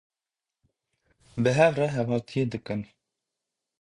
Bi hev re hevaltiye dikin.